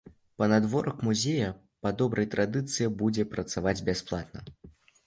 Панадворак музея па добрай традыцыі будзе працаваць бясплатна.